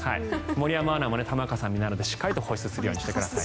森山アナを玉川さんを見習ってしっかり保湿するようにしてください。